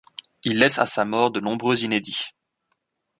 Il laisse à sa mort de nombreux inédits.